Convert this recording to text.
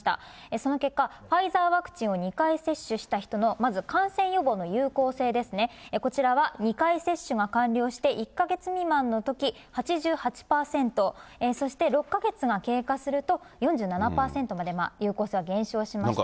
その結果、ファイザーワクチンを２回接種した人のまず感染予防の有効性ですね、こちらは２回接種が完了して１か月未満のとき、８８％、そして６か月が経過すると４７％まで有効性は減少しました。